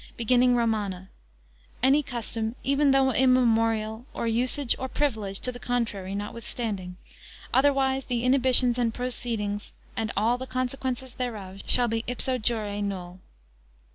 beginning Romana; any custom, even though immemorial, or usage, or privilege, to the contrary notwithstanding; otherwise the inhibitions and proceedings, and all the consequences thereof, shall be ipso jure null.